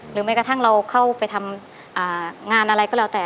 แม้กระทั่งเราเข้าไปทำงานอะไรก็แล้วแต่